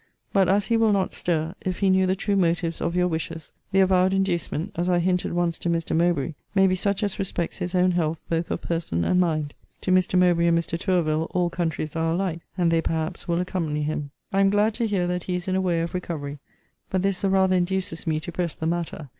But as he will not stir, if he knew the true motives of your wishes, the avowed inducement, as I hinted once to Mr. Mowbray, may be such as respects his own health both of person and mind. To Mr. Mowbray and Mr. Tourville all countries are alike; and they perhaps will accompany him. I am glad to hear that he is in a way of recovery; but this the rather induces me to press the matter.